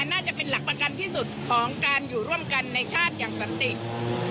น่าจะเป็นหลักประกันที่สุดของการอยู่ร่วมกันในชาติอย่างสันติ